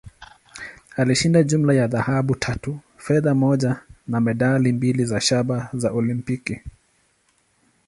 Alishinda jumla ya dhahabu tatu, fedha moja, na medali mbili za shaba za Olimpiki.